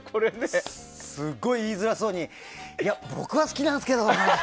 すごい言いづらそうにいや、僕は好きなんですけどね